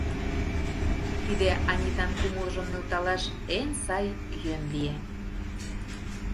Тиде Анитан кумылжым нӧлталаш эн сай йӧн лие.